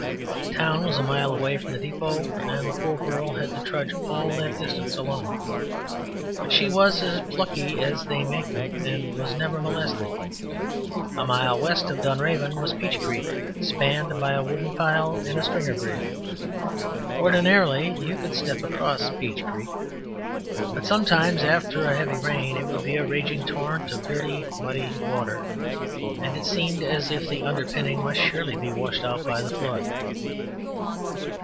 The town was a mile away from the depot and the poor girl had to trudge all that distance alone. But she was as plucky as they make them and was never molested. A mile west of Dunraven was Peach Creek, spanned by a wooden pile and stringer bridge. Ordinarily, you could step across Peach Creek, but sometimes, after a heavy rain it would be a raging torrent of dirty muddy water, and it seemed as if the underpinning must surely be washed out by the flood.